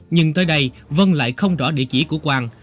nhưng tới đây vân lại không rõ địa chỉ của quang